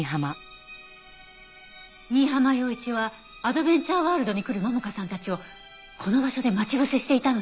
新浜陽一はアドベンチャーワールドに来る桃香さんたちをこの場所で待ち伏せしていたのね。